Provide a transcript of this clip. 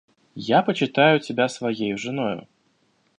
– Я почитаю тебя своею женою.